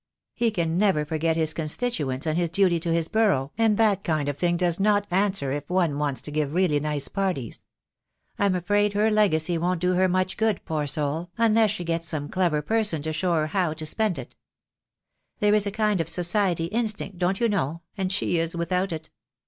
He can never forget his constituents and his duty to his borough, and that kind of thing does not answer if one wants to give really nice parties. I'm afraid her legacy won't do her much good, poor soul, un less she gets some clever person to show her how to spend it. There is a kind of society instinct, don't you know, and she is without it.